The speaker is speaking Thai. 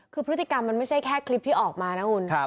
คือพฤติกรรมมันไม่ใช่แค่คลิปที่ออกมานะคุณ